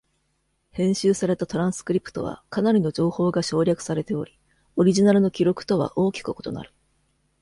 編集されたトランスクリプトは、かなりの情報が省略されており、オリジナルの記録とは大きく異なる。